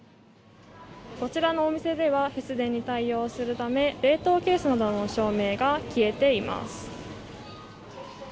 こちらのお店では節電に対応するため冷凍ケースの照明が消えています。